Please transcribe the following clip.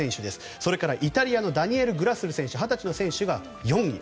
それからイタリアのダニエル・グラスル選手２０歳の選手が４位。